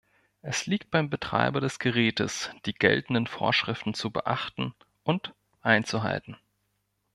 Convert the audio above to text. Es liegt beim Betreiber des Gerätes, die geltenden Vorschriften zu beachten und einzuhalten.